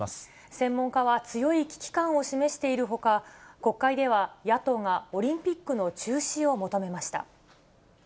専門家は強い危機感を示しているほか、国会では野党がオリンピックの中止を求めました。